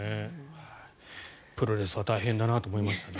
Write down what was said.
プロレスは大変だなと思いました。